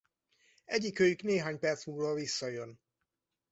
Egyikőjük néhány perc múlva visszajön.